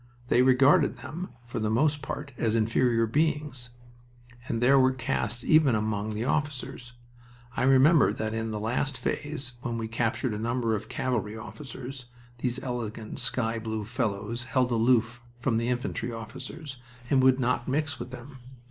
They regarded them, for the most part, as inferior beings. And there were castes even among the officers. I remember that in the last phase, when we captured a number of cavalry officers, these elegant sky blue fellows held aloof from the infantry officers and would not mix with them.